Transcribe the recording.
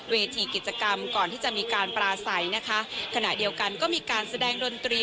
เวทีกิจกรรมก่อนที่จะมีการปลาใสนะคะขณะเดียวกันก็มีการแสดงดนตรี